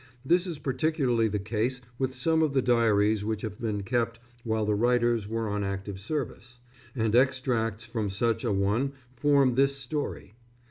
This is particularly the case with some of the diaries which have been kept while the writers were on active service; and extracts from such a one form this story.